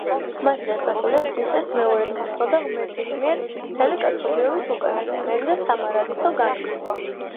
მასზე ასახულია ქრისტეს მეორედ მოსვლა და ღმერთის მიერ მთელი კაცობრიობის უკანასკნელი და სამარადისო განკითხვა.